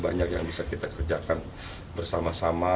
banyak yang bisa kita kerjakan bersama sama